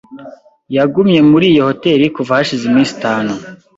Yagumye muri iyo hoteri kuva hashize iminsi itanu.